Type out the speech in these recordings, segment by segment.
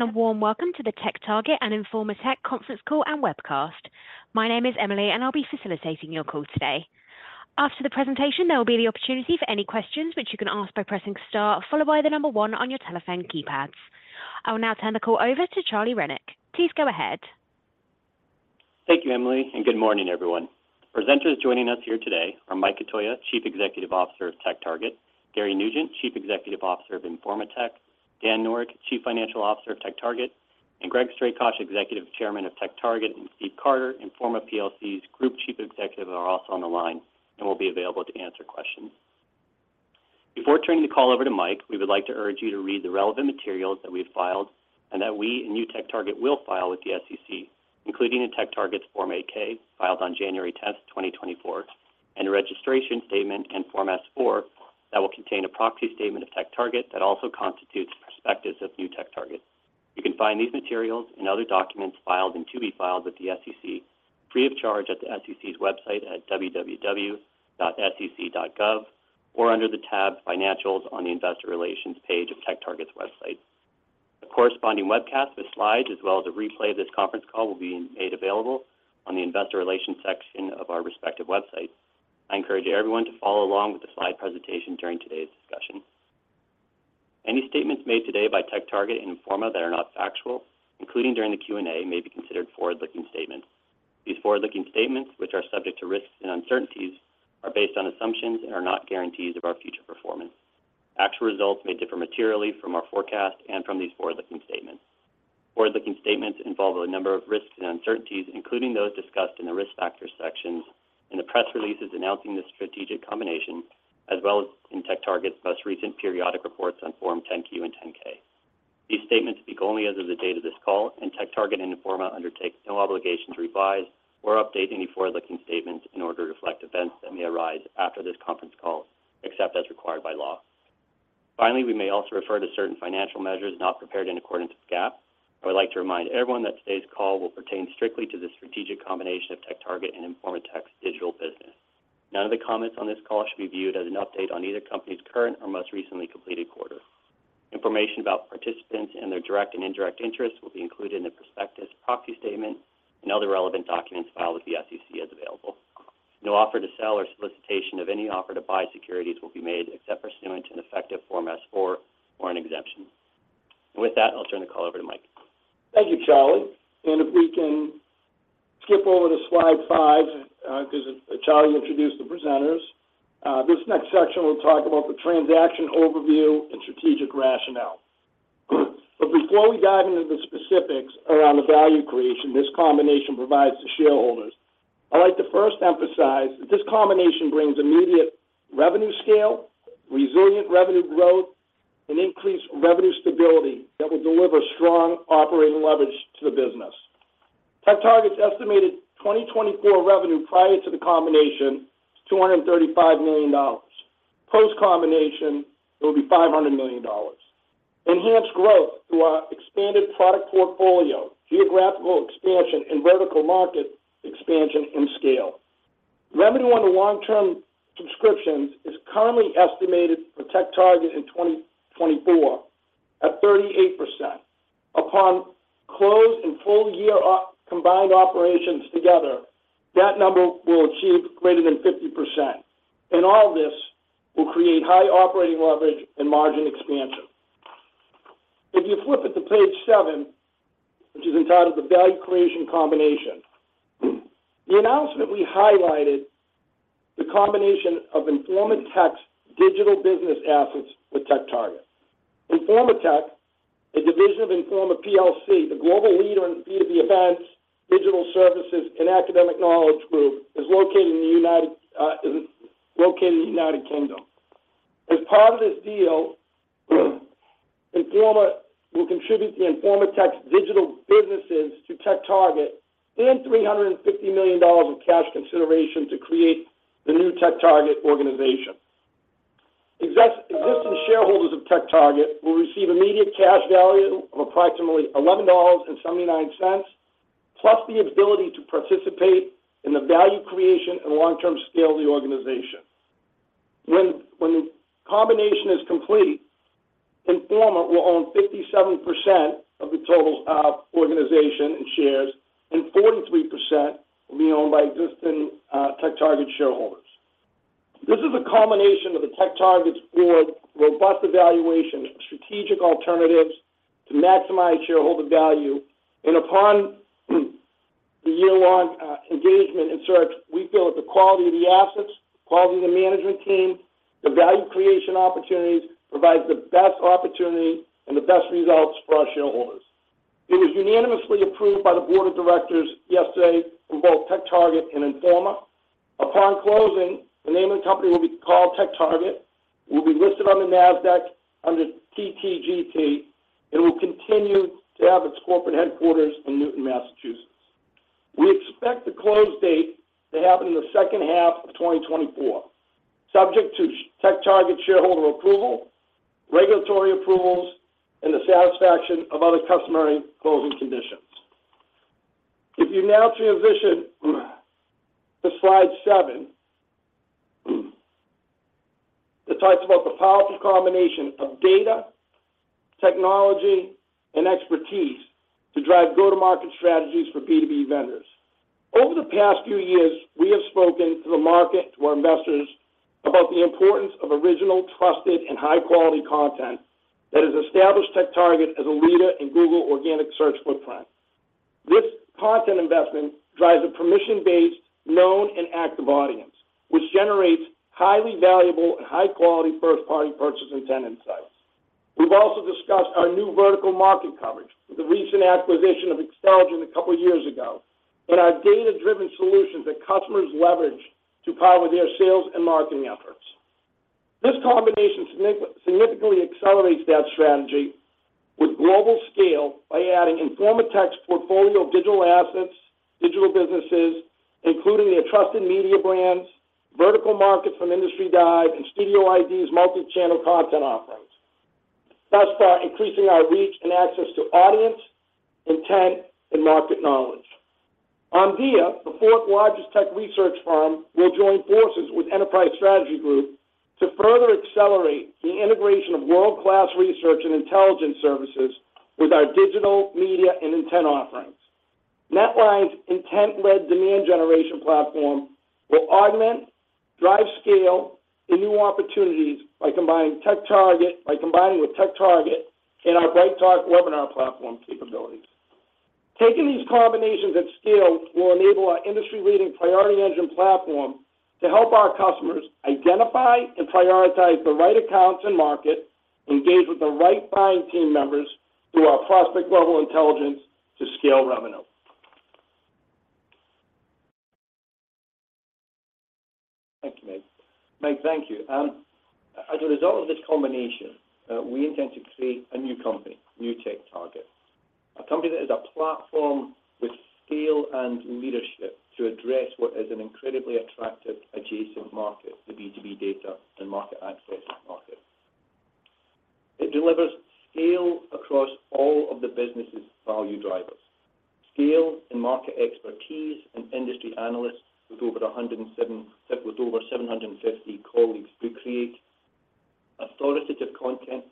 Hello, everyone, and a warm welcome to the TechTarget and Informa Tech conference Call and Webcast. My name is Emily, and I'll be facilitating your call today. After the presentation, there will be the opportunity for any questions, which you can ask by pressing star, followed by the number one on your telephone keypads. I will now turn the call over to Charles Rennick. Please go ahead. Thank you, Emily, and good morning, everyone. Presenters joining us here today are Mike Cotoia, Chief Executive Officer of TechTarget; Gary Nugent, Chief Executive Officer of Informa Tech; Dan Noreck, Chief Financial Officer of TechTarget, and Greg Strakosch, Executive Chairman of TechTarget, and Stephen Carter, Informa PLC's Group Chief Executive, are also on the line and will be available to answer questions. Before turning the call over to Mike, we would like to urge you to read the relevant materials that we have filed and that we and New TechTarget will file with the SEC, including in TechTarget's Form 8-K, filed on January 10, 2024, and a registration statement and Form S-4 that will contain a proxy statement of TechTarget that also constitutes prospectus of new TechTarget. You can find these materials and other documents filed and to be filed with the SEC free of charge at the SEC's website at www.sec.gov or under the tab Financials on the Investor Relations page of TechTarget's website. A corresponding webcast with slides, as well as a replay of this conference call, will be made available on the Investor Relations section of our respective websites. I encourage everyone to follow along with the slide presentation during today's discussion. Any statements made today by TechTarget and Informa that are not factual, including during the Q&A, may be considered forward-looking statements. These forward-looking statements, which are subject to risks and uncertainties, are based on assumptions and are not guarantees of our future performance. Actual results may differ materially from our forecast and from these forward-looking statements. Forward-looking statements involve a number of risks and uncertainties, including those discussed in the Risk Factors Sections, in the press releases announcing this strategic combination, as well as in TechTarget's most recent periodic reports on Form 10-Q and 10-K. These statements speak only as of the date of this call, and TechTarget and Informa undertakes no obligation to revise or update any forward-looking statements in order to reflect events that may arise after this Conference Call, except as required by law. Finally, we may also refer to certain financial measures not prepared in accordance with GAAP. I would like to remind everyone that today's call will pertain strictly to the strategic combination of TechTarget and Informa Tech's digital business. None of the comments on this call should be viewed as an update on either company's current or most recently completed quarter. Information about participants and their direct and indirect interests will be included in the prospectus, proxy statement, and other relevant documents filed with the SEC as available. No offer to sell or solicitation of any offer to buy securities will be made except pursuant to an effective Form S-4 or an exemption. With that, I'll turn the call over to Mike. Thank you, Charlie. If we can skip over to slide five, because Charlie introduced the presenters. This next section will talk about the transaction overview and strategic rationale. But before we dive into the specifics around the value creation this combination provides to shareholders, I'd like to first emphasize that this combination brings immediate revenue scale, resilient revenue growth, and increased revenue stability that will deliver strong operating leverage to the business. TechTarget's estimated 2024 revenue prior to the combination is $235 million. Post-combination, it will be $500 million. Enhanced growth through our expanded product portfolio, geographical expansion, and vertical market expansion and scale. Revenue on the long-term subscriptions is currently estimated for TechTarget in 2024 at 38%. Upon close and full year, combined operations together, that number will achieve greater than 50%. All this will create high operating leverage and margin expansion. If you flip it to page seven, which is entitled The Value Creation Combination, the announcement, we highlighted the combination of Informa Tech's digital business assets with TechTarget. Informa Tech, a division of Informa PLC, the Global Leader in B2B events, digital services, and Academic Knowledge Group, is located in the United Kingdom. As part of this deal, Informa will contribute an Informa Tech's digital businesses to TechTarget and $350 million of cash consideration to create the new TechTarget organization. Existing shareholders of TechTarget will receive immediate cash value of approximately $11.79, plus the ability to participate in the value creation and Long-Term Scale of the organization. When the combination is complete, Informa will own 57% of the total organization and shares, and 43% will be owned by existing TechTarget shareholders. This is a combination of TechTarget's robust board evaluation and strategic alternatives to maximize shareholder value. Upon the year-long engagement and search, we feel that the quality of the assets, the quality of the management team, the value creation opportunities provide the best opportunity and the best results for our shareholders. It was unanimously approved by the board of directors yesterday from both TechTarget and Informa. Upon closing, the name of the company will be TechTarget, will be listed on the NASDAQ under TTGT, and will continue to have its corporate headquarters in Newton, Massachusetts. We expect the close date to happen in the second half of 2024, subject to TechTarget shareholder approval, regulatory approvals, and the satisfaction of other customary closing conditions. That talks about the powerful combination of data, technology, and expertise to drive go-to-market strategies for B2B vendors. Over the past few years, we have spoken to the market, to our investors, about the importance of original, trusted, and high-quality content that has established TechTarget as a leader in Google organic search footprint. This content investment drives a permission-based, known, and active audience, which generates highly valuable and high-quality first-party purchase intent insights. We've also discussed our new vertical market coverage with the recent acquisition of Xtelligent, a couple of years ago, and our data-driven solutions that customers leverage to power their sales and marketing efforts. This combination significantly accelerates that strategy with global scale by adding Informa Tech's portfolio of digital assets, digital businesses, including their trusted media brands, vertical markets from Industry Dive, and Studio ID's multi-channel content offerings. Thus far, increasing our reach and access to audience, intent, and market knowledge. Omdia, the fourth largest tech research firm, will join forces with Enterprise Strategy Group to further accelerate the integration of world-class research and intelligence services with our digital, media, and intent offerings. NetLine's intent-led demand generation platform will augment, drive scale, and new opportunities by combining TechTarget by combining with TechTarget and our BrightTALK webinar platform capabilities. Taking these combinations at scale will enable our industry-leading Priority Engine platform to help our customers identify and prioritize the right accounts and markets, engage with the right buying team members through our prospect-level intelligence to scale revenue. Thank you, Mike. As a result of this combination, we intend to create a new company, New TechTarget. A company that is a platform with scale and leadership to address what is an incredibly attractive adjacent market, the B2B data and market access market. It delivers scale across all of the business's value drivers. Scale and market expertise, and industry analysts with over 750 colleagues who create authoritative content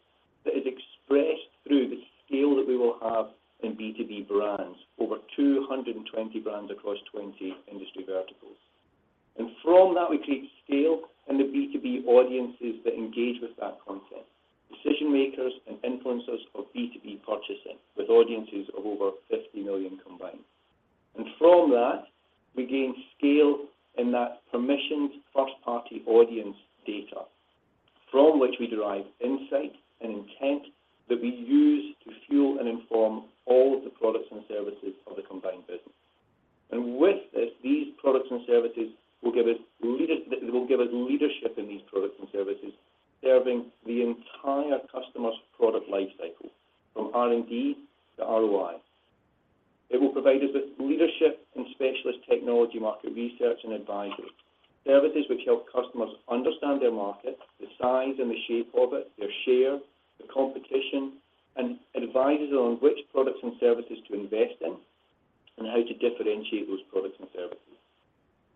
that is expressed through the scale that we will have in B2B brands, over 220 brands across 20 industry verticals. From that, we create scale in the B2B audiences that engage with that content, decision-makers, and influencers of B2B purchasing, with audiences of over 50 million combined. From that, we gain scale in that permissioned first-party audience data, from which we derive insight and intent that we use to fuel and inform all of the products and services of the combined business. With this, these products and services will give us leadership in these products and services, serving the entire customer's product life cycle from R&D to ROI. It will provide us with leadership and specialist technology, market research, and advisory services which help customers understand their market, the size and the shape of it, their share, the competition, and advise on which products and services to invest in, and how to differentiate those products and services.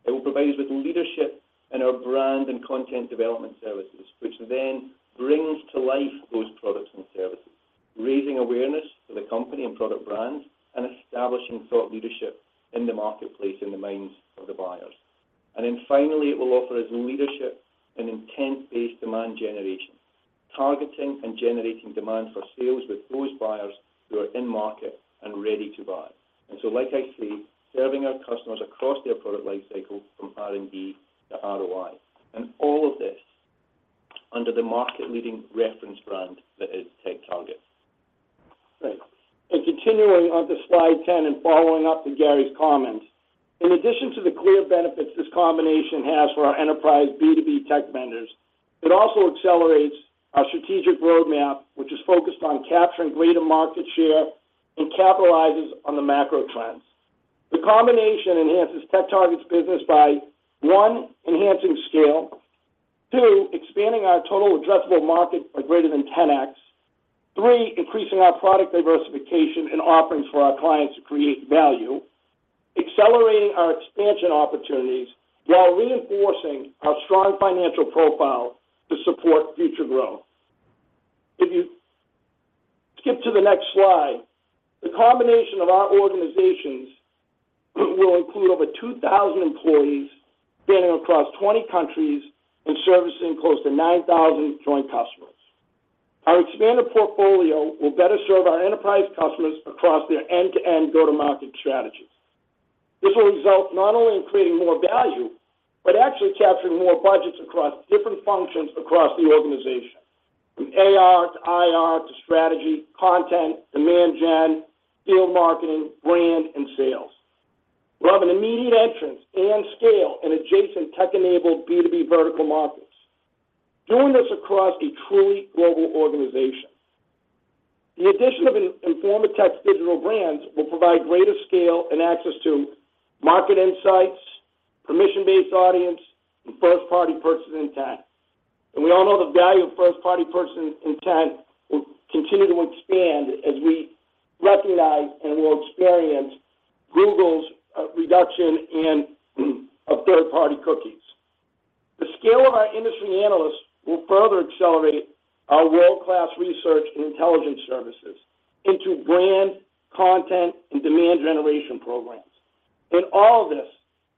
It will provide us with leadership in our brand and content development services, which then brings to life those products and services, raising awareness to the company and product brands, and establishing thought leadership in the marketplace in the minds of the buyers. And then finally, it will offer us leadership and intent-based demand generation, targeting and generating demand for sales with those buyers who are in the market and ready to buy. And so, like I say, serving our customers across their product life cycle from R&D to ROI, and all of this under the market-leading reference brand that is TechTarget. Great. Continuing on to slide 10 and following up on Gary's comments. In addition to the clear benefits this combination has for our enterprise B2B tech vendors, it also accelerates our strategic roadmap, which is focused on capturing greater market share and capitalizing on the macro trends. The combination enhances TechTarget's business by, one, enhancing scale. Two, expanding our total addressable market by greater than 10x. Three, increasing our product diversification and offerings for our clients to create value. Accelerating our expansion opportunities, while reinforcing our strong financial profile to support future growth. If you skip to the next slide, the combination of our organizations will include over 2,000 employees, spanning across 20 countries and servicing close to 9,000 joint customers. Our expanded portfolio will better serve our enterprise customers across their end-to-end go-to-market strategies. This will result not only in creating more value but actually capturing more budgets across different functions across the organization, from AR to IR, to strategy, content, demand gen, field marketing, brand, and sales. We'll have an immediate entrance and scale in adjacent tech-enabled B2B vertical markets, doing this across a truly global organization. The addition of Informa Tech's digital brands will provide greater scale and access to market insights, a permission-based audience, and first-party purchase intent. We all know the value of first-party purchase intent will continue to expand as we recognize and will experience Google's reduction of third-party cookies. The scale of our industry analysts will further accelerate our world-class research and intelligence services into brand, content, and demand generation programs. And all this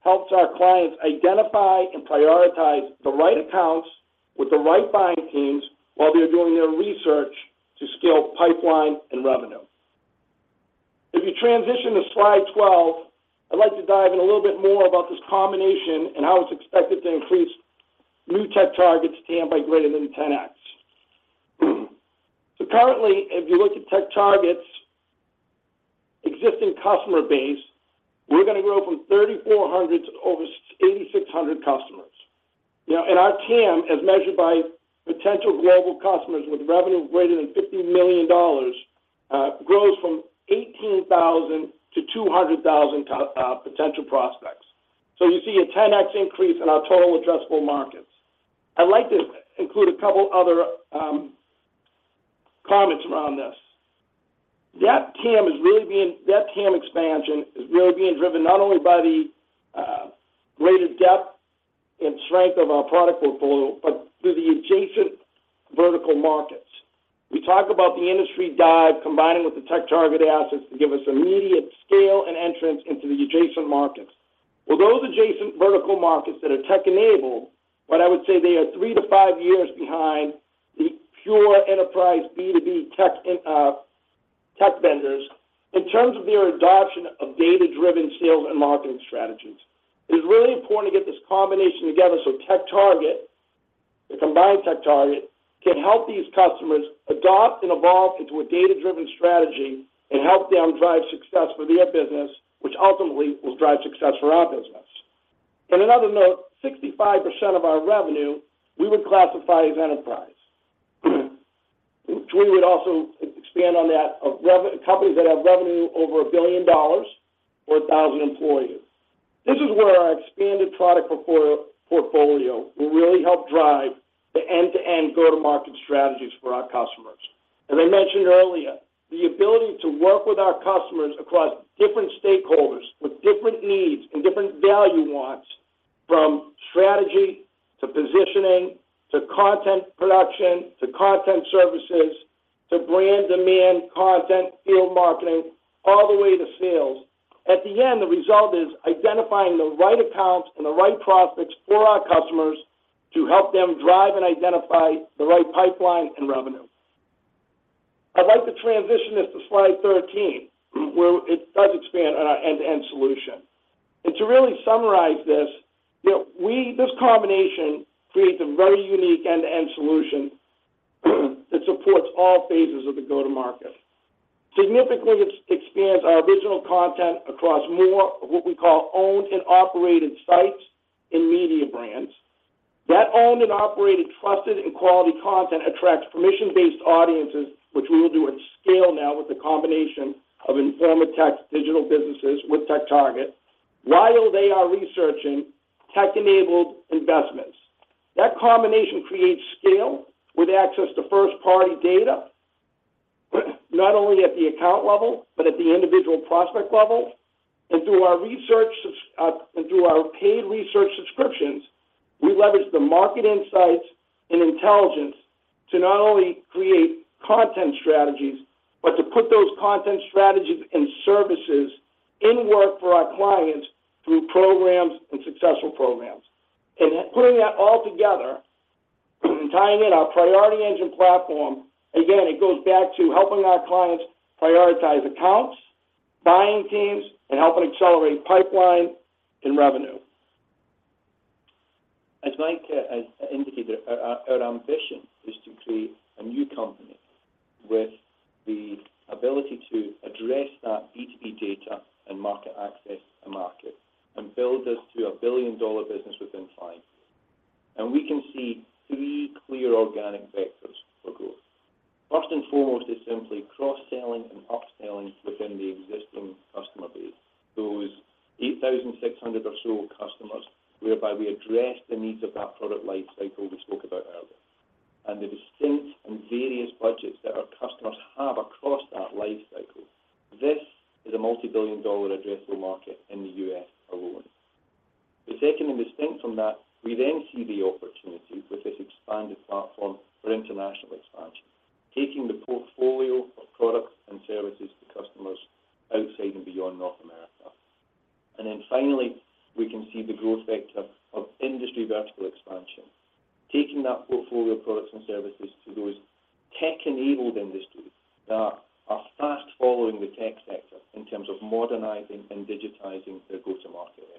helps our clients identify and prioritize the right accounts with the right buying teams while they're doing their research to scale pipeline and revenue. If you transition to slide 12, I'd like to dive in a little bit more about this combination and how it's expected to increase new TechTarget's TAM by greater than 10x. So currently, if you look at TechTarget's existing customer base, we're gonna grow from 3,400 to over 8,600 customers. Now, and our TAM, as measured by potential global customers with revenue greater than $50 million, grows from 18,000 to 200,000 potential prospects. So you see a 10x increase in our total addressable markets. I'd like to include a couple other comments around this. That TAM expansion is really being driven not only by the greater depth and strength of our product portfolio, but also through the adjacent vertical markets. We talk about the Industry Dive, combining with the TechTarget assets to give us immediate scale and entrance into the adjacent markets. Well, those adjacent vertical markets that are tech-enabled, but I would say they are three to five years behind the pure enterprise B2B tech in tech vendors, in terms of their adoption of data-driven sales and marketing strategies. It is really important to get this combination together, so TechTarget, the combined TechTarget, can help these customers adopt and evolve into a data-driven strategy and help them drive success for their business, which ultimately will drive success for our business. On another note, 65% of our revenue we would classify as enterprise. We would also expand on that of revenue companies that have revenue over $1 billion or 1,000 employees. This is where our expanded product portfolio will really help drive the end-to-end go-to-market strategies for our customers. As I mentioned earlier, the ability to work with our customers across different stakeholders, with different needs and different value wants, from strategy, to positioning, to content production, to content services, to brand demand, content, field marketing, all the way to sales. At the end, the result is identifying the right accounts and the right prospects for our customers to help them drive and identify the right pipeline and revenue. I'd like to transition this to slide 13, where it does expand on our end-to-end solution. And to really summarize this, you know, this combination creates a very unique end-to-end solution that supports all phases of the go-to-market. Significantly, expands our original content across more of what we call owned and operated sites and media brands. That owned and operated, trusted, and quality content attracts permission-based audiences, which we will do at scale now with the combination of Informa Tech's digital businesses with TechTarget, while they are researching tech-enabled investments. That combination creates scale with access to first-party data, not only at the account level, but at the individual prospect level. And through our research subscriptions, and through our paid research subscriptions, we leverage the market insights and intelligence to not only create content strategies, but to put those content strategies and services in work for our clients through programs and successful programs. In putting that all together, and tying in our Priority Engine platform, again, it goes back to helping our clients prioritize accounts, buying teams, and helping accelerate pipeline and revenue. As Mike indicated, our ambition is to create a new company with the ability to address that B2B data and market access to market, and build this to a billion-dollar business within five. We can see three clear organic vectors for growth. First and foremost, is simply cross-selling and upselling within the existing customer base. Those 8,600 or so customers, whereby we address the needs of that product life cycle we spoke about earlier, and the distinct and various budgets that our customers have across that life cycle. This is a multi-billion-dollar addressable market in the USA alone. The second and distinct from that, we then see the opportunity with this expanded platform for international expansion, taking the portfolio of products and services to customers outside and beyond North America. And then finally, we can see the growth vector of industry vertical expansion. Taking that portfolio of products and services to those tech-enabled industries that are fast following the tech sector in terms of modernizing and digitizing their go-to-market efforts.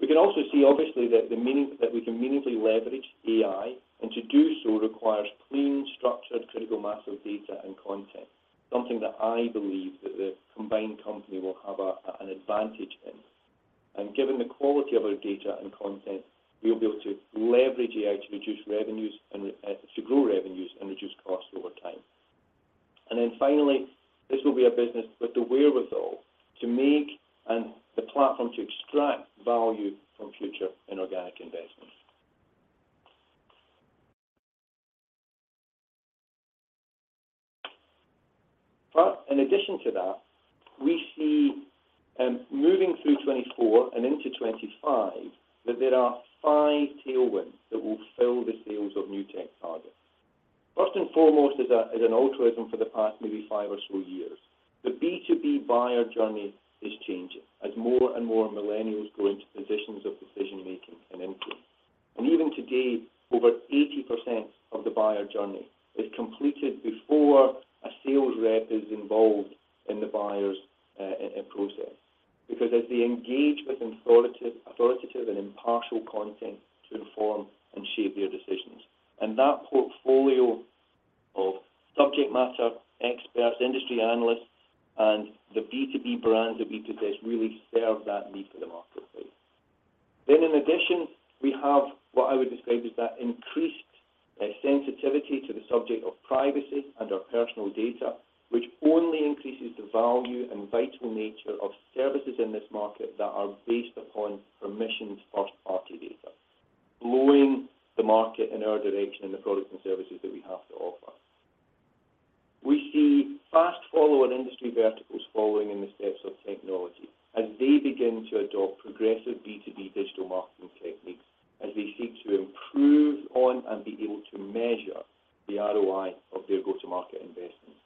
We can also see, obviously, that we can meaningfully leverage AI, and to do so requires clean, structured, critical mass of data and content. Something that I believe that the combined company will have an advantage in. And given the quality of our data and content, we'll be able to leverage AI to reduce revenues and to grow revenues and reduce costs over time. And then finally, this will be a business with the wherewithal to make and the platform to extract value from future and organic investments.... But in addition to that, we see moving through 2024 and into 2025, that there are five tailwinds that will fuel the sales of Informa TechTarget. First and foremost, is an evolution for the past, maybe five or so years. The B2B buyer journey is changing as more and more millennials go into positions of decision-making and influence. And even today, over 80% of the buyer journey is completed before a sales rep is involved in the buyer's process. Because as they engage with authoritative and impartial content to inform and shape their decisions, and that portfolio of subject matter experts, industry analysts, and the B2B brands that we possess, really serve that need for the marketplace. Then, in addition, we have what I would describe as that increased sensitivity to the subject of privacy and/followers or personal data, which only increases the value and vital nature of services in this market that are based upon permission first-party data, blowing the market in our direction and the products and services that we have to offer. We see fast follower and industry verticals following in the steps of technology as they begin to adopt progressive B2B digital marketing techniques, as they seek to improve on and be able to measure the ROI of their go-to-market investments.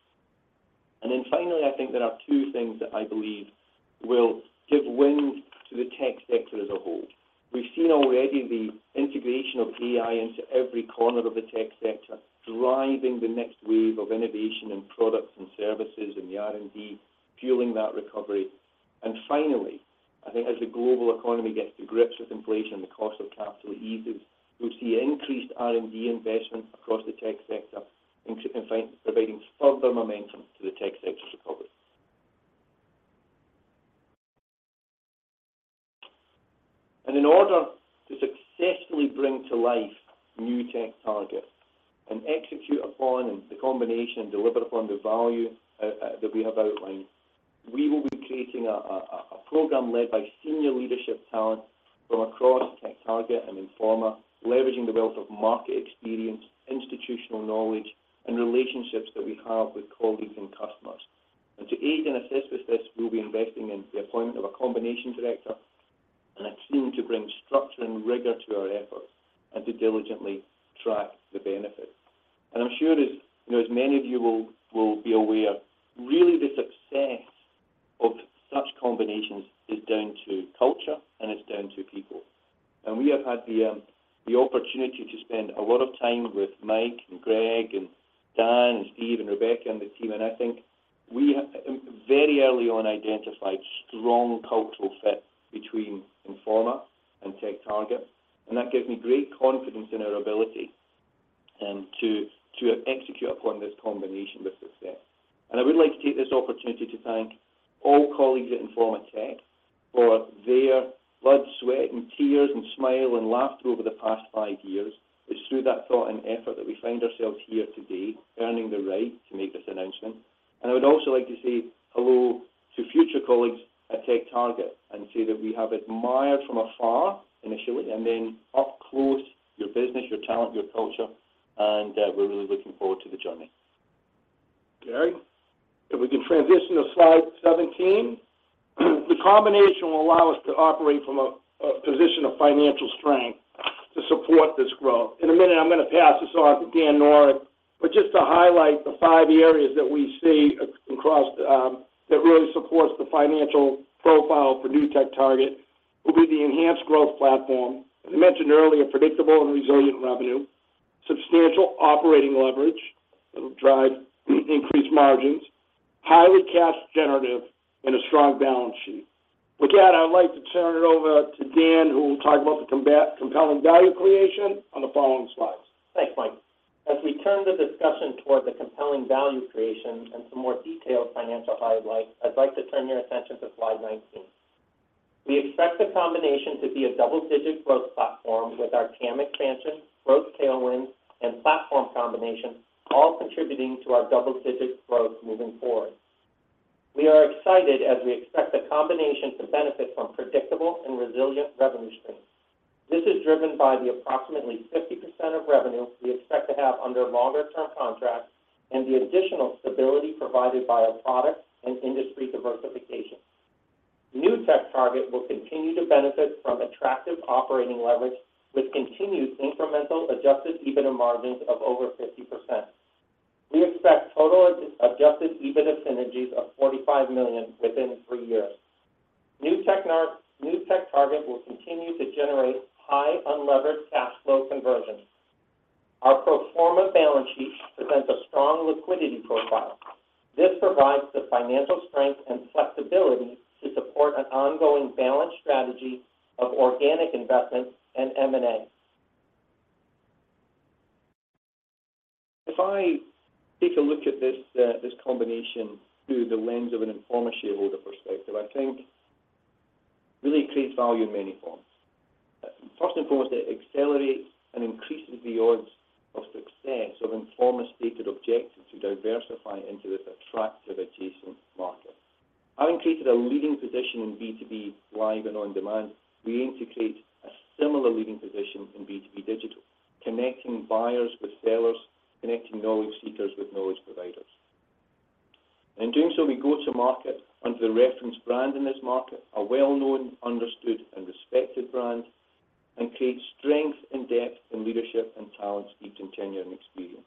And then finally, I think there are two things that I believe will give wind to the tech sector as a whole. We've already seen the integration of AI into every corner of the tech sector, driving the next wave of innovation in products and services, and the R&D fueling that recovery. Finally, I think as the global economy gets to grips with inflation and the cost of capital eases, we'll see increased R&D investment across the tech sector, providing further momentum to the tech sector's recovery. In order to successfully bring to life new TechTarget and execute upon, and the combination and deliver upon the value that we have outlined, we will be creating a program led by senior leadership talent from across TechTarget and Informa, leveraging the wealth of market experience, institutional knowledge, and relationships that we have with colleagues and customers. To aid and assist with this, we'll be investing in the appointment of a combination director and a team to bring structure and rigor to our efforts and to diligently track the benefits. And I'm sure as you know, as many of you will be aware, really, the success of such combinations is down to culture and it's down to people. And we have had the opportunity to spend a lot of time with Mike and Greg, and Dan, and Steve, and Rebecca, and the team, and I think we very early on identified strong cultural fit between Informa and TechTarget, and that gives me great confiden our ability to execute upon this combination with success. I would like to take this opportunity to thank all colleagues at Informa Tech for their blood, sweat, Ftears, and smile, and laughter over the past five years. It's through that thought and effort that we find ourselves here today, earning the right to make this announcement. I would also like to say hello to future colleagues at TechTarget, and say that we have admired from afar initially, and then up close, your business, your talent, your culture, and we're really looking forward to the journey. Okay. If we can transition to slide 17. The combination will allow us to operate from a, a position of Financial Strength to support this growth. In a minute, I'm gonna pass this on to Dan Noreck, but just to highlight the five areas that we see across, that really supportthe the financial profile for new TechTarget, will be the enhanced growth platform. As I mentioned earlier, predictable and resilient revenue, substantial operating leverage that will drive increased margins, highly cash generative, and a strong balance sheet. But again, I'd like to turn it over to Dan, who will talk about the compelling value creation on the following slides. Thanks, Mike. As we turn the discussion toward the compelling value creation and some more detailed financial highlights, I'd like to turn your attention to slide 19. We expect the combination to be a double-digit growth platform, with our TAM expansion, growth tailwind, and platform combination, all contributing to our double-digit growth moving forward. We are excited as we expect the combination to benefit from predictable and resilient revenue streams. This is driven by the approximately 50% of revenue we expect to have under longer term contracts, and the additional stability provided by our product and industry diversification. New TechTarget will continue to benefit from attractive operating leverage, with continued incremental adjusted EBITDA margins of over 50%. We expect total adjusted EBITDA synergies of $45 million within three years. New TechTarget will continue to generate high unlevered cash flow conversion. Our pro forma balance sheet presents a strong liquidity profile. This provides the financial strength and flexibility to support an ongoing balanced strategy of organic investments and M&A. If I take a look at this, this combination through the lens of an Informa shareholder perspective, I think really it creates value in many forms. First and foremost, it accelerates and increases the odds of success of Informa stated objectives to diversify into this attractive adjacent market. Having created a leading position in B2B live and on-demand, we aim to create a similar leading position in B2B digital, connecting buyers with sellers, connecting knowledge seekers with knowledge providers. In doing so, we go to market under the reference brand in this market, a well-known, understood, and respected brand, and create strength and depth in leadership and talent, speed, and tenure, and experience.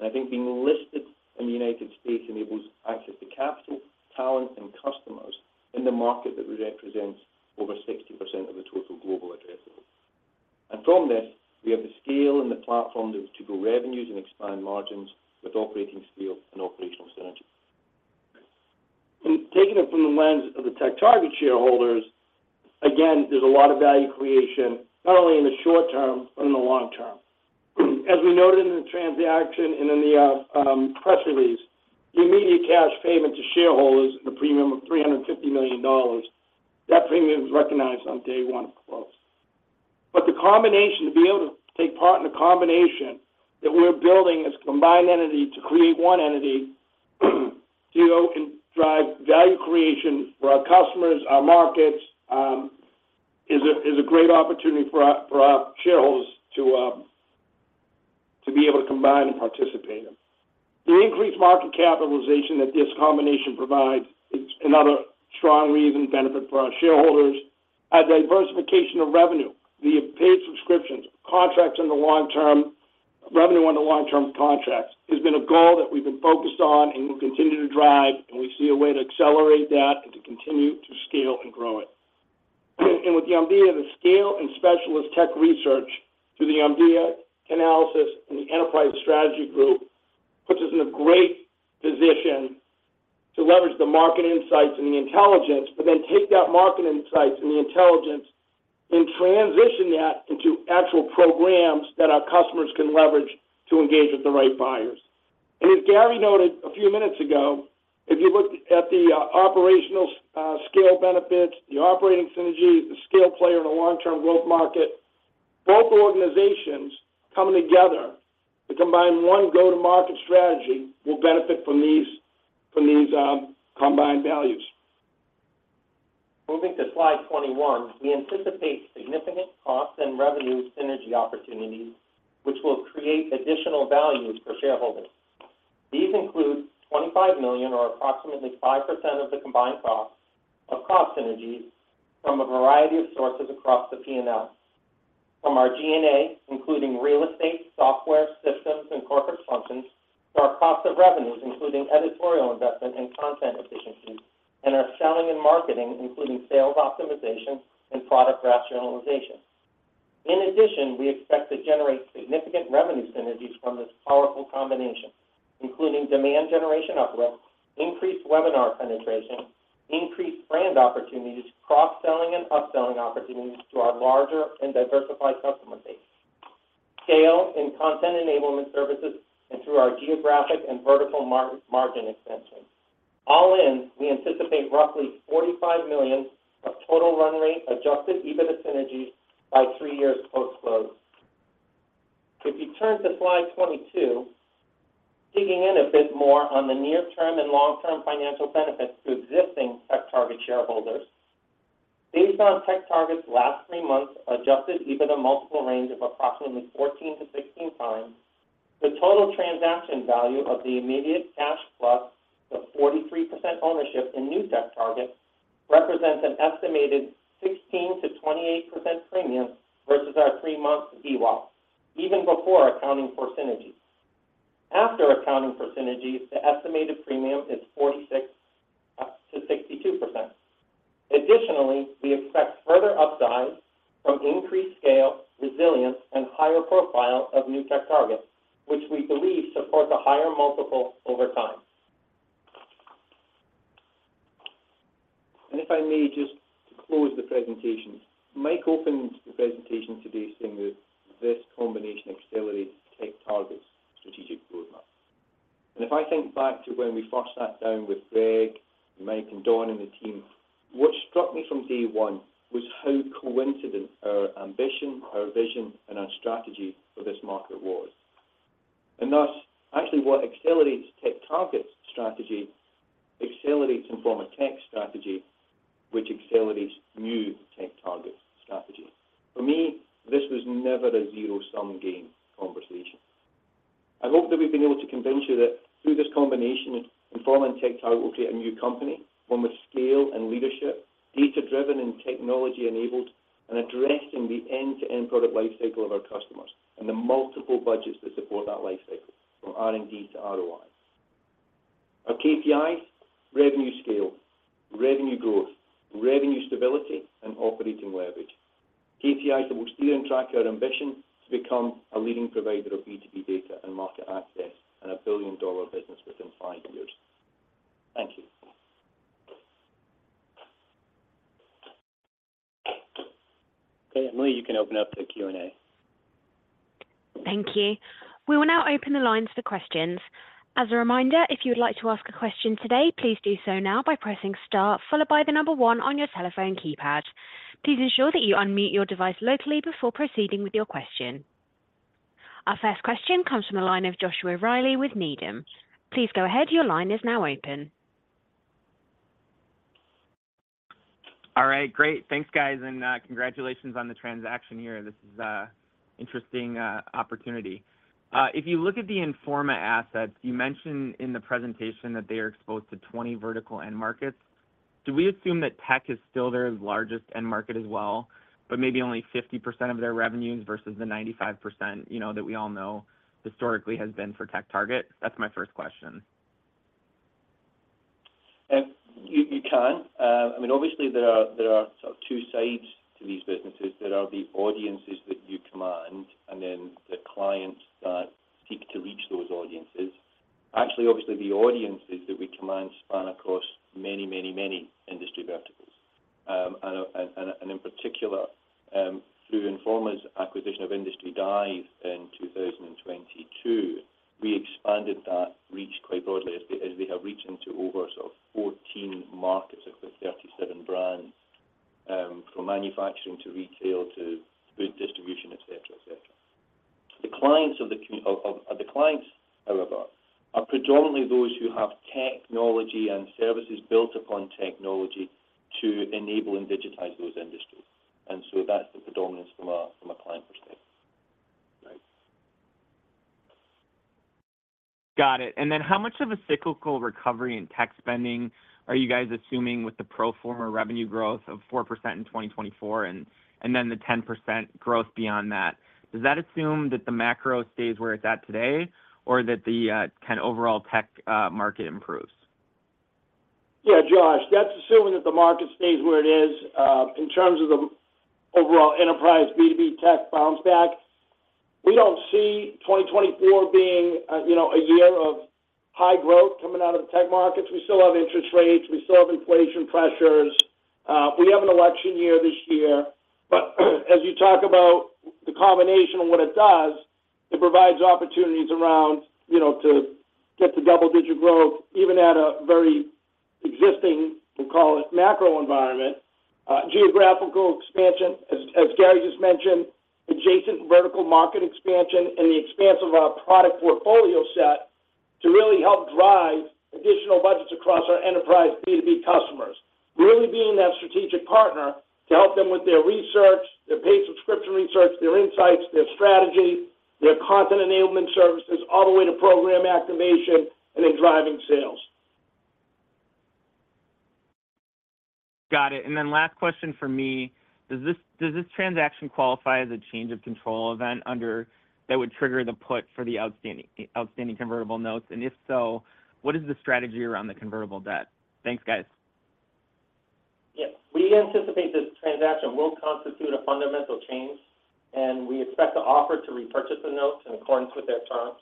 I think being listed in the United States enables access to capital, talent, and customers in the market that we represent over 60% of the total global addressable. From this, we have the scale and the platform to go revenues and expand margins with operating scale and operational synergy. Taking it from the lens of the TechTarget shareholders, again, there's a lot of value creation, not only in the short term, but in the long term. As we noted in the transaction and in the press release, the immediate cash payment to shareholders is a premium of $350 million. That premium is recognized on day one of close. The combination, to be able to take part in the combination that we're building this combined entity to create one entity, you know, and drive value creation for our customers, our markets, is a great opportunity for our, for our shareholders to, to be able to combine and participate in. The increased market capitalization that this combination provides is another strong reason and benefit for our shareholders. Our diversification of revenue, the paid subscriptions, contracts in the long term, revenue on the long-term contracts, has been a goal that we've been focused on and will continue to drive, and we see a way to accelerate that and to continue to scale and grow it. And with the idea of the scale and specialist tech research through the Omdia Analysis and the Enterprise Strategy Group, it puts us in a great position to leverage the market insights and the intelligence, but then take that market insights and the intelligence and transition that into actual programs that our customers can leverage to engage with the right buyers. As Gary noted a few minutes ago, if you look at the operational scale benefits, the Operating Synergy, the scale player in a long-term growth market, both organizations coming together to combine one go-to-market strategy will benefit from these, from these, combined values. Moving to slide 21, we anticipate significant cost and revenue synergy opportunities, which will create additional value for shareholders. These include $25 million or approximately 5% of the combined costs of cost synergies from a variety of sources across the P&L. From our G&A, including real estate, software, systems, and corporate functions, to our cost of revenues, including editorial investment and content efficiencies, and our selling and marketing, including sales optimization and product rationalization. In addition, we expect to generate significant revenue synergies from this powerful combination, including demand generation uplift, increased webinar penetration, increased brand opportunities, cross-selling and upselling opportunities to our larger and diversified customer base, scale and content enablement services, and through our geographic and vertical margin expansion. All in, we anticipate roughly $45 million of total run rate, Adjusted EBITDA synergies by three years post-close. So if you turn to slide 22, digging in a bit more on the near-term and long-term financial benefits to existing TechTarget shareholders. Based on TechTarget's last three months, Adjusted EBITDA multiple range of approximately 14-16 times, the total transaction value of the immediate cash plus the 43% ownership in new TechTarget, represents an estimated 16%-28% premium versus our three-month VWAP, even before accounting for synergies. After accounting for synergies, the estimated premium is 46%-62%. Additionally, we expect further upside from increased scale, resilience, and higher profile of new TechTarget, which we believe supports a higher multiple over time. And if I may just close the presentation. Mike opened the presentation today saying that this combination accelerates TechTarget's Strategic RoadMap. If I think back to when we first sat down with Greg and Mike and Don and the team, what struck me from day one was how coincident our ambition, our vision, and our strategy for this market was. Thus, actually, what accelerates TechTarget's strategy, accelerates Informa Tech's strategy, which accelerates TechTarget's new strategy. For me, this was never a zero-sum game conversation. I hope that we've been able to convince you that through this combination, Informa Tech and TechTarget will create a new company, one with scale and leadership, data-driven and technology-enabled, and addressing the end-to-end product life cycle of our customers and the multiple budgets that support that life cycle from R&D to ROI. Our KPIs include revenue scale, revenue growth, revenue stability, and operating leverage. KPIs that will steer and track our ambition to become a leading provider of B2B data and market access, and a billion-dollar business within five years. Thank you. Okay, Emily, you can open up the Q&A. Thank you. We will now open the lines for questions. As a reminder, if you would like to ask a question today, please do so now by pressing star, followed by the number 1 on your telephone keypad. Please ensure that you unmute your device locally before proceeding with your question.... Our first question comes from the line of Joshua Reilly with Needham. Please go ahead. Your line is now open. All right, great! Thanks, guys, and congratulations on the transaction here. This is an interesting opportunity. If you look at the Informa assets, you mentioned in the presentation that they are exposed to 20 vertical end markets. Do we assume that tech is still their largest end market as well, but maybe only 50% of their revenues versus the 95%, you know, that we all know historically has been for TechTarget? That's my first question. You can. I mean, obviously, there are sort of two sides to these businesses. There are the audiences that you command, and then the clients that seek to reach those audiences. Actually, obviously, the audiences that we command span across many, many, many industry verticals. And in particular, through Informa's acquisition of Industry Dive in 2022, we expanded that reach quite broadly as we have reached into over sort of 14 markets across 37 brands, from manufacturing to retail to food distribution, et cetera, et cetera. The clients, however, are predominantly those who have technology and services built upon technology to enable and digitize those industries, and so that's the predominance from a client perspective. Right. Got it, and then how much of a cyclical recovery in tech spending are you guys assuming with the pro forma revenue growth of 4% in 2024, and then the 10% growth beyond that? Does that assume that the macro stays where it's at today, or that the kind of overall tech market improves? Yeah, Josh, that's assuming that the market stays where it is. In terms of the overall enterprise, B2B tech bounce back, we don't see 2024 being a, you know, a year of high growth coming out of the tech markets. We still have interest rates. We still have inflation pressures. We have an election year this year. But as you talk about the combination of what it does, it provides opportunities around, you know, to get to double-digit growth, even at a very existing, we'll call it, macro environment. Geographical Expansion, as Gary just mentioned, adjacent vertical market expansion and the expanse of our product portfolio set to really help drive additional budgets across our enterprise B2B customers. Really being that strategic partner to help them with their research, their paid subscription research, their insights, their strategy, their content enablement services, all the way to program activation and then driving sales. Got it, and then last question for me. Does this, does this transaction qualify as a change of control event under... that would trigger the put for the outstanding, outstanding convertible notes? And if so, what is the strategy around the convertible debt? Thanks, guys. Yes, we anticipate this transaction will constitute a fundamental change, and we expect the offer to repurchase the notes in accordance with their terms.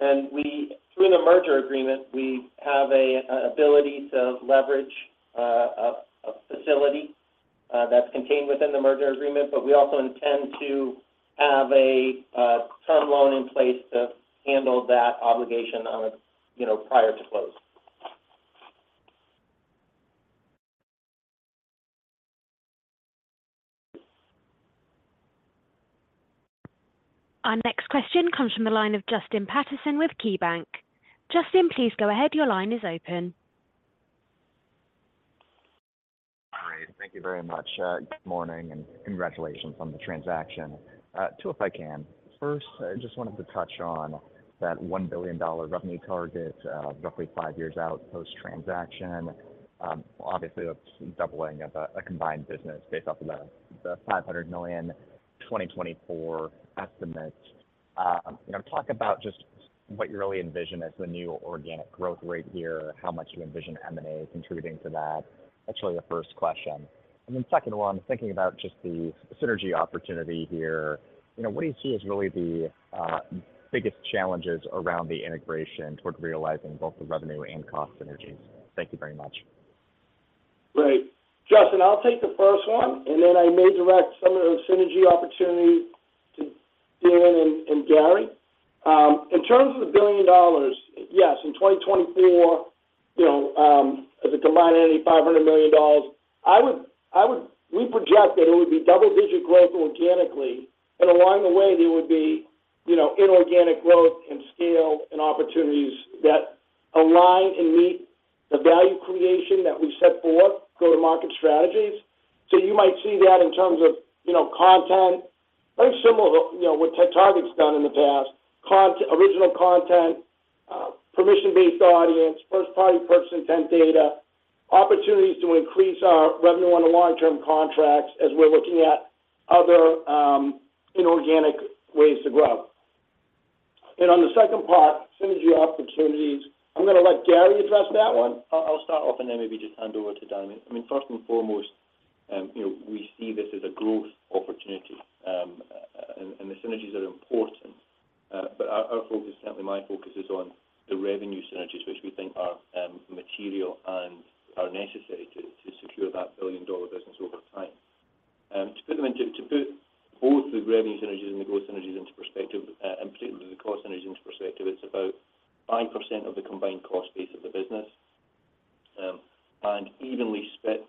And we, through the merger agreement, we have an ability to leverage a facility that's contained within the merger agreement, but we also intend to have a term loan in place to handle that obligation on a you know prior to close. Our next question comes from the line of Justin Patterson with KeyBanc. Justin, please go ahead. Your line is open. All right. Thank you very much. Good morning, and congratulations on the transaction. Two, if I can. First, I just wanted to touch on that $1 billion revenue target, roughly 5 years out post-transaction. Obviously, that's doubling of a combined business based off of the $500 million 2024 estimate. You know, talk about just what you really envision as the new organic growth rate here, how much you envision M&A contributing to that. That's really the first question. And then second of all, I'm thinking about just the synergy opportunity here. You know, what do you see as really the biggest challenges around the integration towards realizing both the revenue and cost synergies? Thank you very much. Great. Justin, I'll take the first one, and then I may direct some of the synergy opportunity to Dan and Gary. In terms of $1 billion, yes, in 2024, you know, as a combined entity, $500 million, I would... We project that it would be double-digit growth organically, and along the way, there would be, you know, inorganic growth and scale and opportunities that align and meet the value creation that we set forth, go-to-market strategies. So you might see that in terms of, you know, content, very similar to, you know, what TechTarget's done in the past. Content, original content, permission-based audience, first-party purchase intent data, opportunities to increase our revenue on the long-term contracts as we're looking at other inorganic ways to grow. On the second part, synergy opportunities, I'm gonna let Gary address that one. I'll start off and then maybe just hand over to Dylan. I mean, first and foremost, you know, we see this as a growth opportunity, and the synergies are important, but our focus, certainly my focus, is on the revenue synergies, which we think are material and are necessary to secure that billion-dollar business over time. To put both the revenue synergies and the growth synergies into perspective, and particularly the cost synergies into perspective, it's about 5% of the combined cost base of the business, and evenly split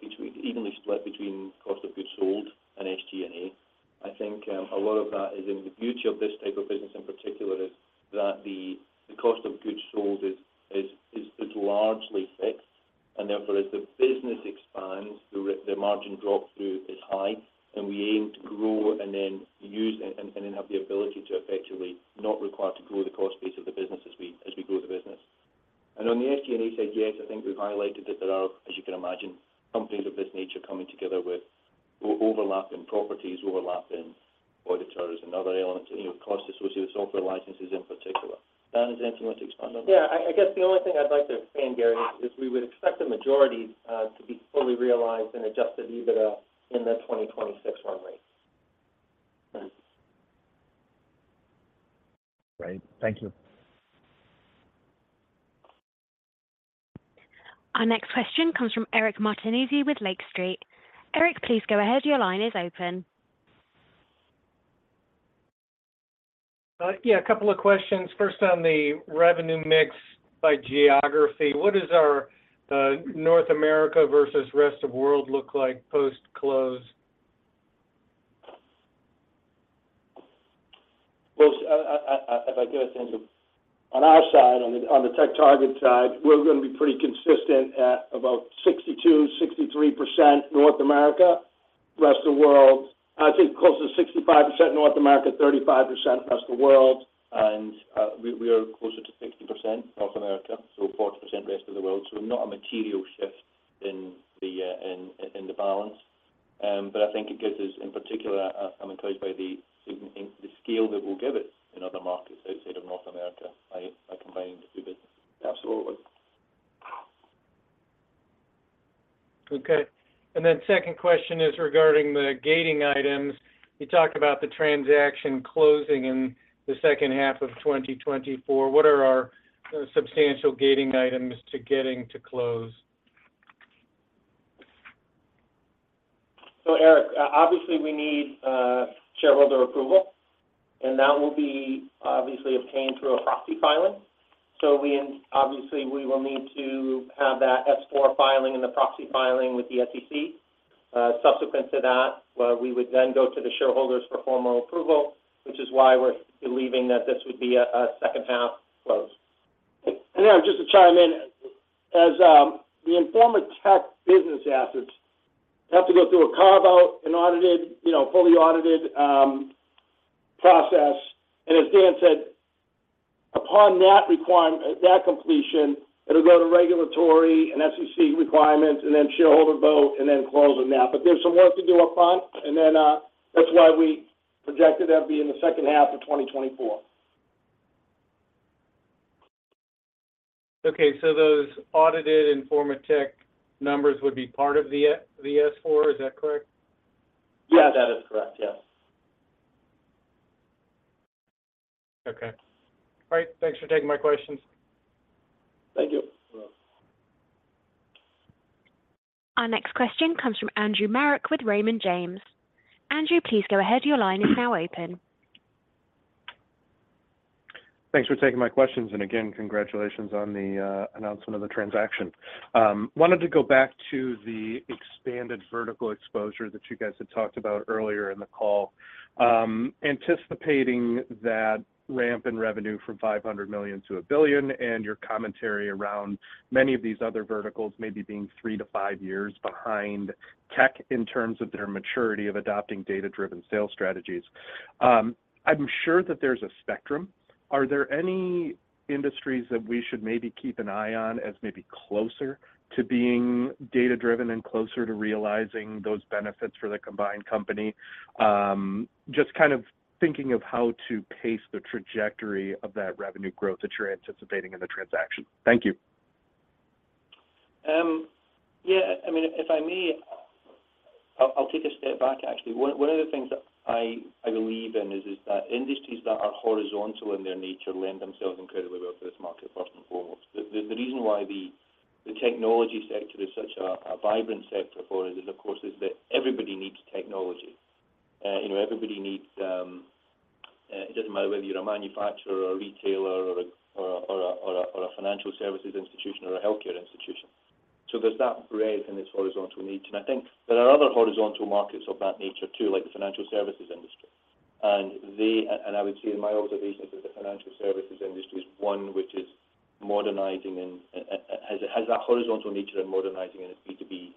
between cost of goods sold and SG&A. I think a lot of that is in the beauty of this type of business in particular, is that the cost of goods sold is largely fixed, and therefore, as the business expands, the margin drop through is high, and we aim to grow and then use and then have the ability to effectively not require to grow the cost base of the business as we grow the business. And on the SG&A side, yes, I think we've highlighted that there are, as you can imagine, companies of this nature coming together with overlapping properties, overlapping auditors and other elements, you know, costs associated with software licenses in particular. Dan, is there anything you want to expand on? Yeah, I guess the only thing I'd like to expand, Gary, is we would expect the majority to be fully realized in Adjusted EBITDA in the 2026 run rate. Thanks. Great. Thank you. Our next question comes from Eric Martinuzzi with Lake Street. Eric, please go ahead. Your line is open. Yeah, a couple of questions. First, on the revenue mix by geography, what does our North America versus rest of world look like post-close? Well, if I could, Andrew. On our side, on the TechTarget side, we're gonna be pretty consistent at about 62-63% North America. Rest of world, I think closer to 65% North America, 35% rest of the world. And we are closer to 60% North America, so 40% rest of the world. So not a material shift in the balance. But I think it gives us, in particular, I'm encouraged by the significant—the scale that will give us in other markets outside of North America by combining the two businesses. Absolutely. Okay. And then second question is regarding the gating items. You talked about the transaction closing in the second half of 2024. What are our substantial gating items to getting to close? So Eric, obviously, we need shareholder approval, and that will be obviously obtained through a proxy filing. So obviously, we will need to have that S-4 filing and the proxy filing with the SEC. Subsequent to that, we would then go to the shareholders for formal approval, which is why we're believing that this would be a second-half close. And yeah, just to chime in. As the Informa Tech business assets have to go through a carve-out and audited, you know, fully audited process. And as Dan said, upon that completion, it'll go to regulatory and SEC requirements, and then shareholder vote, and then closing that. But there's some work to do up front, and then that's why we projected that'd be in the second half of 2024. Okay. So those audited Informa Tech numbers would be part of the S-4, is that correct? Yeah, that is correct. Yes. Okay. All right. Thanks for taking my questions. Thank you. You're welcome. Our next question comes from Andrew Marok with Raymond James. Andrew, please go ahead. Your line is now open. Thanks for taking my questions, and again, congratulations on the announcement of the transaction. Wanted to go back to the expanded vertical exposure that you guys had talked about earlier in the call. Anticipating that ramp in revenue from $500 million to $1 billion, and your commentary around many of these other verticals maybe being three to five years behind tech in terms of their maturity of adopting data-driven sales strategies. I'm sure that there's a spectrum. Are there any industries that we should maybe keep an eye on as maybe closer to being data-driven and closer to realizing those benefits for the combined company? Just kind of thinking of how to pace the trajectory of that revenue growth that you're anticipating in the transaction. Thank you. Yeah, I mean, if I may, I'll take a step back, actually. One of the things that I believe in is that industries that are horizontal in their nature lend themselves incredibly well to this market, first and foremost. The reason why the technology sector is such a vibrant sector for us is, of course, that everybody needs technology. You know, everybody needs it doesn't matter whether you're a manufacturer, or a retailer, or a financial services institution or a healthcare institution. So there's that breadth in this horizontal need. And I think there are other horizontal markets of that nature, too, like the financial services industry. I would say in my observations, that the financial services industry is one which is modernizing and has that horizontal nature and modernizing in its B2B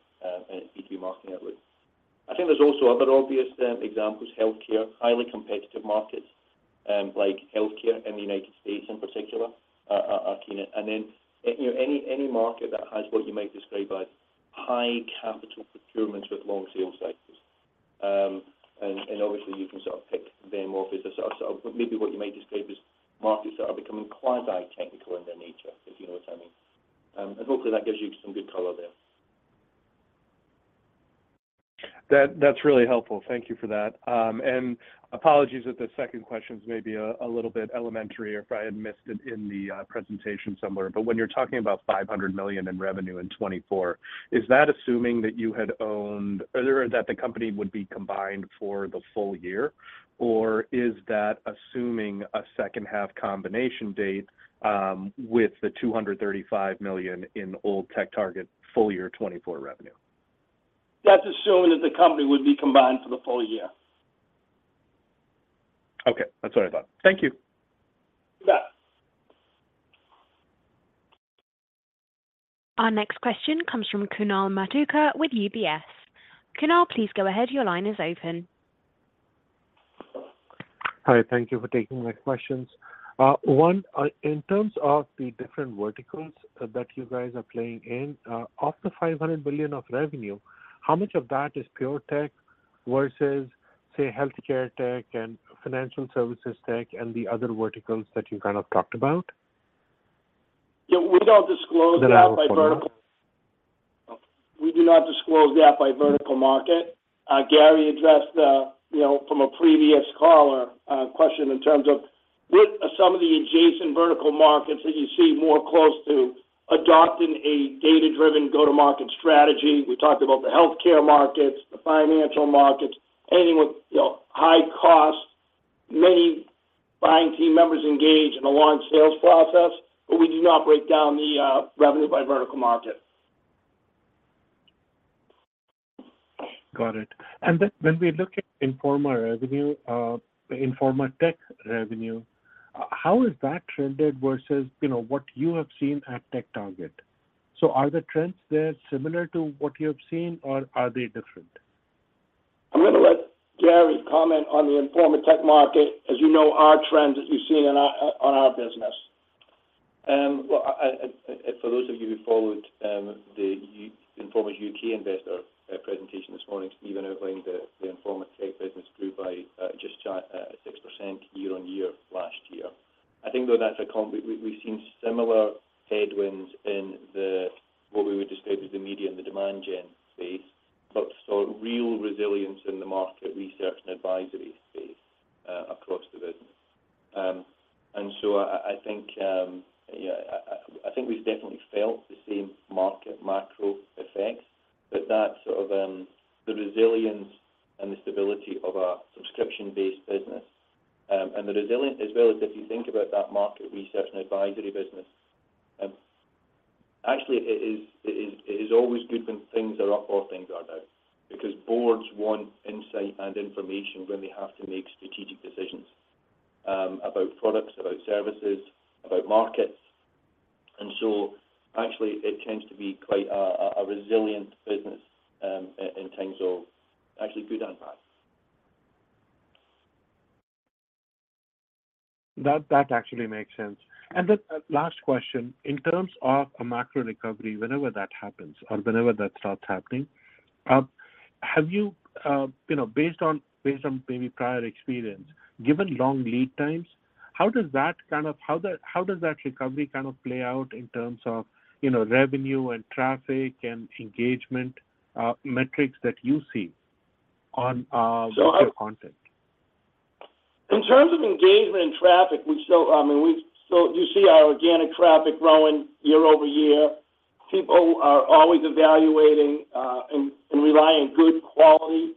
and B2B marketing outreach. I think there's also other obvious examples, healthcare, highly competitive markets, like healthcare in the United States, in particular, are key. And then, you know, any market that has what you might describe as high capital procurements with long sales cycles. And obviously, you can sort of pick the more business or sort of maybe what you might describe as markets that are becoming quasi-technical in their nature, if you know what I mean. And hopefully, that gives you some good color there. That, that's really helpful. Thank you for that. And apologies if the second question is maybe a little bit elementary or if I had missed it in the presentation somewhere. But when you're talking about $500 million in revenue in 2024, is that assuming that you had owned- or that the company would be combined for the full year? Or is that assuming a second-half combination date, with the $235 million in old TechTarget full year 2024 revenue? ... That's assuming that the company would be combined for the full year. Okay, that's what I thought. Thank you. Yeah. Our next question comes from Kunal Madhukar with UBS. Kunal, please go ahead. Your line is open. Hi, thank you for taking my questions. One, in terms of the different verticals that you guys are playing in, of the $500 billion of revenue, how much of that is pure tech versus, say, healthcare tech and financial services tech, and the other verticals that you kind of talked about? Yeah, we don't disclose that by vertical- Then I will follow up. We do not disclose that by vertical market. Gary addressed the, you know, from a previous caller, question in terms of with some of the adjacent vertical markets that you see more close to adopting a data-driven go-to-market strategy. We talked about the healthcare markets, the financial markets, anything with, you know, high costs, many buying team members engaged in a long sales process, but we do not break down the revenue by vertical market. Got it. And then when we look at Informa revenue, Informa Tech revenue, how has that trended versus, you know, what you have seen at TechTarget? So are the trends there similar to what you have seen, or are they different? I'm gonna let Gary comment on the Informa Tech market, as you know, our trends as you've seen in our business. Well, I for those of you who followed the Informa UK investor presentation this morning, Steven outlined the Informa Tech business grew by just 6% year-on-year last year. I think, though, we've seen similar headwinds in the what we would describe as the media and the demand gen space, but saw real resilience in the market research and advisory space across the business. And so I think, yeah, I think we've definitely felt the same market macro effects, but that sort of, the resilience and the stability of our subscription-based business, and the resilience as well as if you think about that market research and advisory business, actually, it is always good when things are up or things are down, because boards want insight and information when they have to make strategic decisions, about products, about services, about markets. And so actually it tends to be quite a resilient business, in terms of actually good and bad. That actually makes sense. The last question, in terms of a macro recovery, whenever that happens or whenever that starts happening, have you, you know, based on, based on maybe prior experience, given long lead times, how does that recovery kind of play out in terms of, you know, revenue and traffic and engagement, metrics that you see on- So our- your content? In terms of engagement and traffic, we saw, I mean, So you see our organic traffic growing year-over-year. People are always evaluating and relying on good quality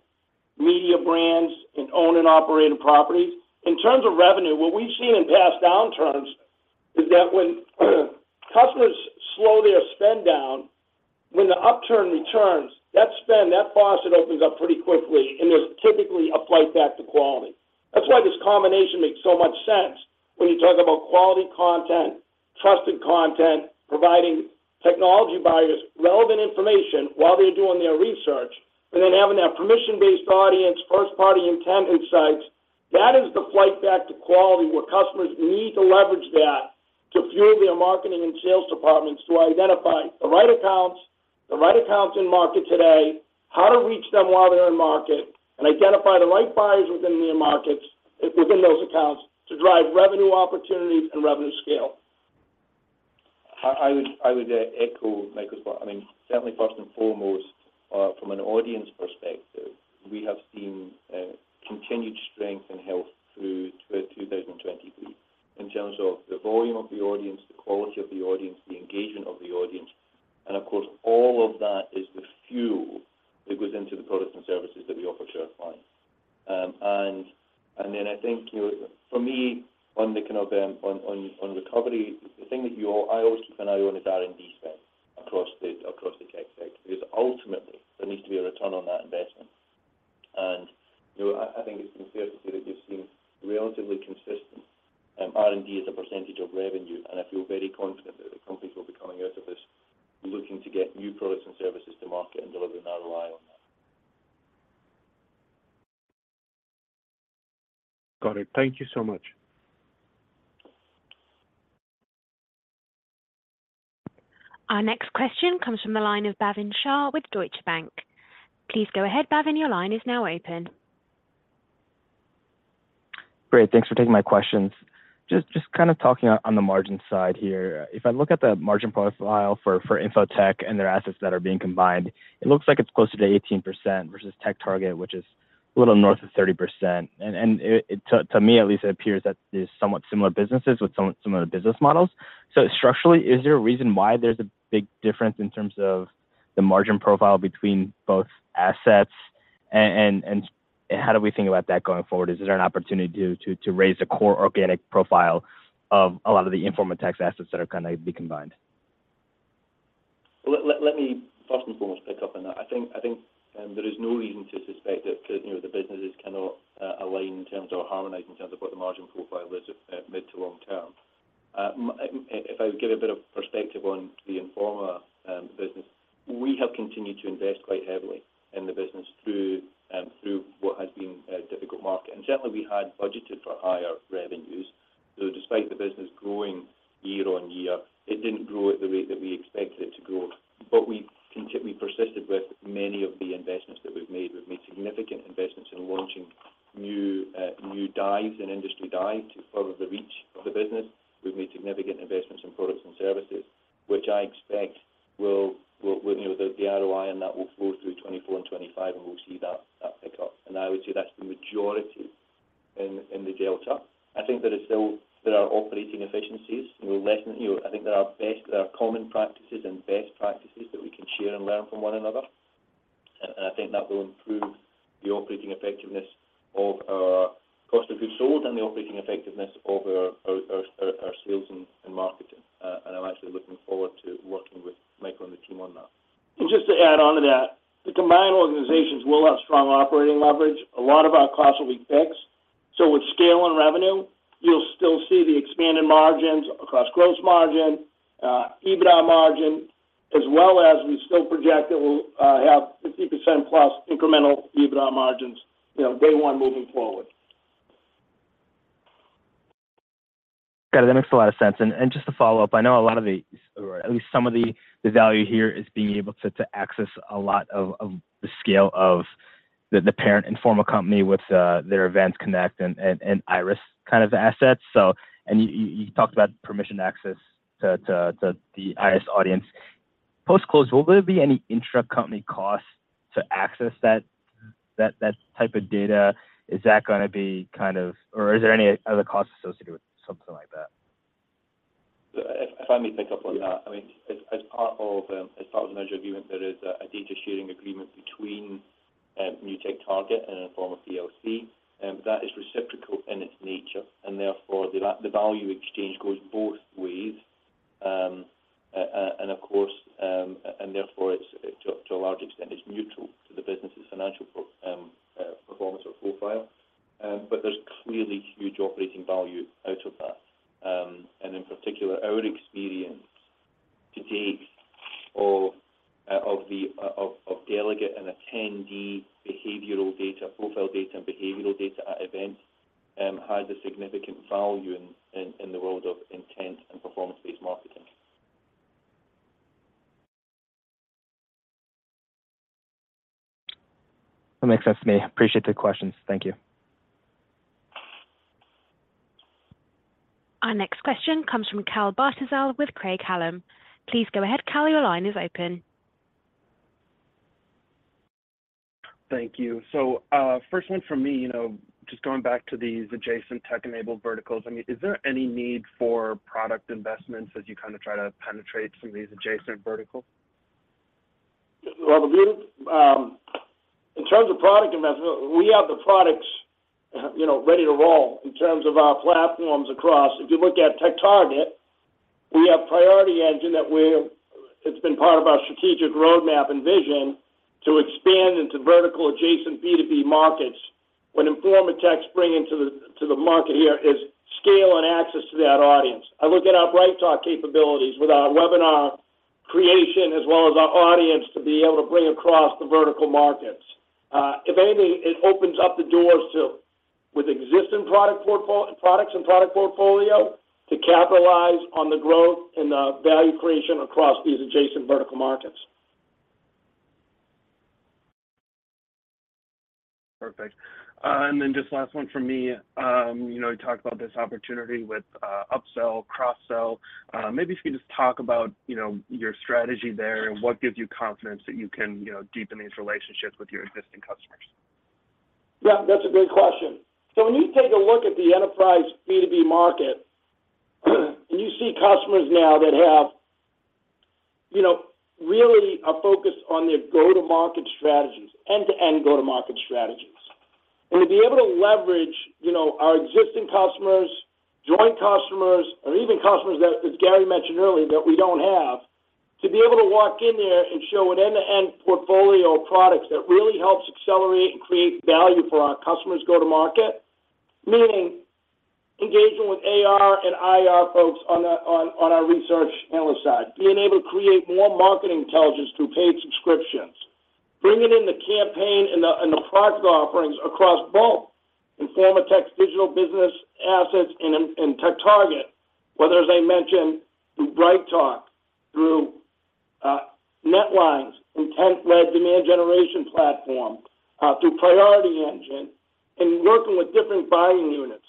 media brands and own and operated properties. In terms of revenue, what we've seen in past downturns is that when customers slow their spend down, when the upturn returns, that spend, that faucet opens up pretty quickly, and there's typically a flight back to quality. That's why this combination makes so much sense when you talk about quality content, trusted content, providing technology buyers relevant information while they're doing their research, and then having that permission-based audience, first-party intent insights. That is the flight back to quality, where customers need to leverage that to fuel their marketing and sales departments to identify the right accounts, the right accounts in market today, how to reach them while they're in market, and identify the right buyers within their markets, within those accounts, to drive revenue opportunities and revenue scale. I would echo Michael's point. I mean, certainly first and foremost, from an audience perspective, we have seen continued strength and health through 2023, in terms of the volume of the audience, the quality of the audience, the engagement of the audience, and of course, all of that is the fuel that goes into the products and services that we offer to our clients. And then I think, you know, for me, on the kind of, on recovery, the thing that you all, I always keep an eye on is R&D spend across the tech sector, because ultimately there needs to be a return on that investment. You know, I, I think it's been fair to say that you've seen relatively consistent R&D as a percentage of revenue, and I feel very confident that the companies will be coming out of this looking to get new products and services to market and deliver and add AI on that. Got it. Thank you so much. Our next question comes from the line of Bhavin Shah with Deutsche Bank. Please go ahead, Bhavin, your line is now open. Great, thanks for taking my questions. Just, just kind of talking on the margin side here. If I look at the margin profile for, for Informa Tech and their assets that are being combined, it looks like it's closer to 18% versus TechTarget, which is a little north of 30%. And, and to, to me at least, it appears that there's somewhat similar businesses with some similar business models. So structurally, is there a reason why there's a big difference in terms of the margin profile between both assets? And, and, and how do we think about that going forward? Is there an opportunity to, to, to raise the core organic profile of a lot of the Informa Tech's assets that are gonna be combined? Well, let me first and foremost pick up on that. I think there is no reason to suspect that, you know, the businesses cannot align in terms of or harmonize in terms of what the margin profile is at mid- to long-term. If I give a bit of perspective on the Informa business, we have continued to invest quite heavily in the business through what has been a difficult market. And certainly we had budgeted for higher revenues. So despite the business growing year-over-year, it didn't grow at the rate that we expected it to grow. But we persisted with many of the investments that we've made. We've made significant investments in launching new dives and Industry Dive to further the reach of the business. We've made significant investments in products and services, which I expect will, you know, the ROI, and that will flow through 2024 and 2025, and we'll see that pick up. And I would say that's the majority in the delta. I think there is still... There are operating efficiencies. We're less, you know, I think there are best—there are common practices and best practices that we can share and learn from one another. And I think that will improve the operating effectiveness of our cost of goods sold and the operating effectiveness of our sales and marketing. And I'm actually looking forward to working with Michael and the team on that. Just to add on to that, the combined organizations will have strong operating leverage. A lot of our costs will be fixed, so with scale and revenue, you'll still see the expanded margins across gross margin, EBITDA margin, as well as we still project that we'll have 50%+ incremental EBITDA margins, you know, day one moving forward. Got it. That makes a lot of sense. And just to follow up, I know a lot of the, or at least some of the, value here is being able to access a lot of the scale of the parent Informa company with their events ,connect and IIRIS kind of assets. So, you talked about permission access to the IIRIS audience. Post-close, will there be any intra-company costs to access that type of data? Is that gonna be kind of... Or is there any other costs associated with something like that? If I may pick up on that. I mean, as part of the merger agreement, there is a data sharing agreement between Informa TechTarget and Informa PLC, and that is reciprocal in its nature, and therefore, the value exchange goes both ways. And of course, and therefore, it's to a large extent it's mutual to the business's financial performance or profile. But there's clearly huge operating value out of that. And in particular, our experience to date of the delegate and attendee behavioral data, profile data, and behavioral data at events has a significant value in the world of intent and performance-based marketing. That makes sense to me. Appreciate the questions. Thank you. Our next question comes from Cal Bartyzal with Craig-Hallum. Please go ahead, Cal, your line is open. Thank you. So, first one from me, you know, just going back to these adjacent tech-enabled verticals, I mean, is there any need for product investments as you kind of try to penetrate some of these adjacent verticals? Well, in terms of product investment, we have the products, you know, ready to roll in terms of our platforms across. If you look at TechTarget, we have Priority Engine that we're, it's been part of our strategic roadmap and vision to expand into vertical adjacent B2B markets. What Informa Tech's bringing to the market here is scale and access to that audience. I look at our BrightTALK capabilities with our webinar creation as well as our audience to be able to bring across the vertical markets. If anything, it opens up the doors to, with existing products and product portfolio, to capitalize on the growth and the value creation across these adjacent vertical markets. Perfect. And then just last one from me. You know, you talked about this opportunity with upsell, cross-sell. Maybe if you could just talk about, you know, your strategy there and what gives you confidence that you can, you know, deepen these relationships with your existing customers? Yeah, that's a great question. So when you take a look at the enterprise B2B market, and you see customers now that have, you know, really a focus on their go-to-market strategies, end-to-end go-to-market strategies. And to be able to leverage, you know, our existing customers, joint customers, or even customers that, as Gary mentioned earlier, that we don't have, to be able to walk in there and show an end-to-end portfolio of products that really helps accelerate and create value for our customers' go-to-market. Meaning engaging with AR and IR folks on our research analyst side. Being able to create more marketing intelligence through paid subscriptions. Bringing in the campaign and the product offerings across both Informa Tech's digital business assets and TechTarget, whether, as I mentioned, through BrightTALK, through NetLine's intent-led demand generation platform, through Priority Engine and working with different buying units.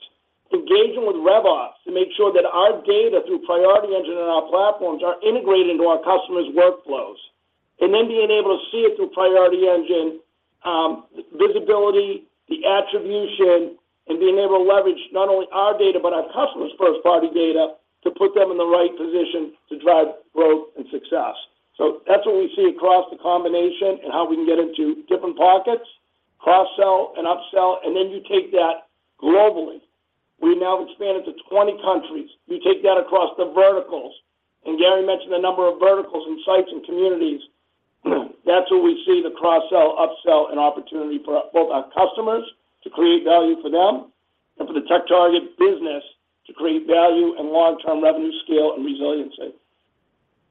Engaging with RevOps to make sure that our data through Priority Engine and our platforms are integrated into our customers' workflows, and then being able to see it through Priority Engine, visibility, the attribution, and being able to leverage not only our data, but our customers' first-party data to put them in the right position to drive growth and success. So that's what we see across the combination and how we can get into different pockets, cross-sell and upsell, and then you take that globally. We now expand into 20 countries. You take that across the verticals, and Gary mentioned a number of verticals and sites and communities. That's where we see the cross-sell, upsell and opportunity for our, both our customers to create value for them and for the TechTarget business to create value and long-term revenue scale and resiliency.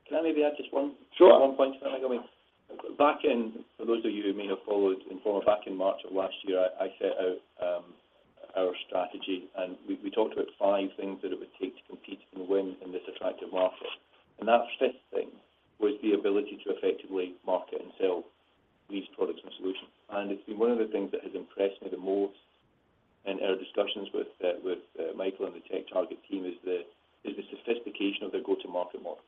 Can I maybe add just one- Sure... one point? Back in, for those of you who may have followed Informa, back in March of last year, I set out our strategy, and we talked about five things that it would take to compete and win in this attractive market. And that fifth thing was the ability to effectively market and sell these products and solutions. And it's been one of the things that has impressed me the most in our discussions with Michael and the TechTarget team: the sophistication of their go-to-market model.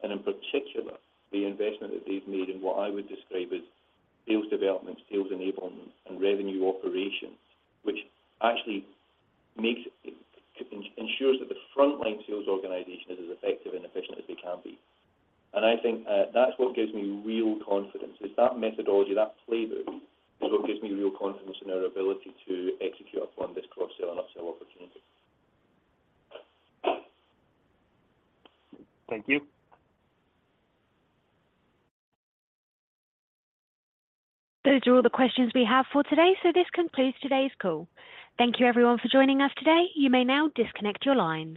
And in particular, the investment that they've made in what I would describe as sales development, sales enablement, and revenue operations, which actually ensures that the frontline sales organization is as effective and efficient as they can be. And I think that's what gives me real confidence. It's that methodology, that flavor, is what gives me real confidence in our ability to execute upon this cross-sell and upsell opportunity. Thank you. Those are all the questions we have for today, so this concludes today's call. Thank you, everyone, for joining us today. You may now disconnect your lines.